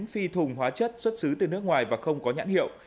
một mươi chín phi thùng hóa chất xuất xứ từ nước ngoài và không có nhãn hiệu